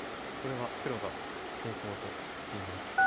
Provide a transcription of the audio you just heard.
これは黒が成功となっています。